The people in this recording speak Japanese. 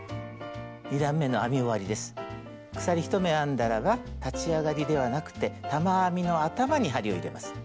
鎖１目編んだらば立ち上がりではなくて玉編みの頭に針を入れます。